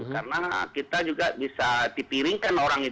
karena kita juga bisa dipiringkan orang orang